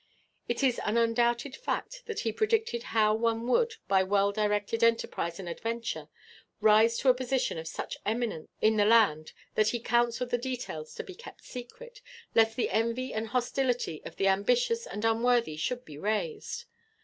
It is an undoubted fact that he predicted how one would, by well directed enterprise and adventure, rise to a position of such eminence in the land that he counselled the details to be kept secret, lest the envy and hostility of the ambitious and unworthy should be raised.